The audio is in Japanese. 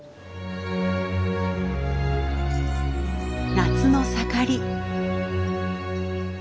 夏の盛り。